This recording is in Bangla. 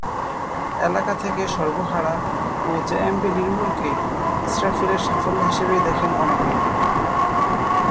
এলাকা থেকে সর্বহারা ও জেএমবি নির্মূলকে ইসরাফিলের সাফল্য হিসেবেই দেখেন অনেকে।